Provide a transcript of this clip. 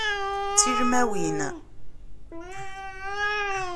D tilmawin.